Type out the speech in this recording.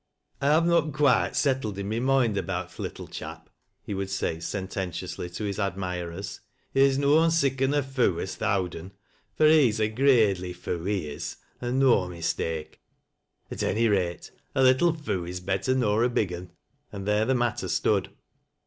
" I hav' not quite settled i' my moind about th' little chap," he would say sententiously to his admirere. "He's noan siccan a f oo' as th' owd un, for he's a graidely f oo', he is, and no mistake. At any i ate a little f oo' is better nor a big un." And there the matter stood.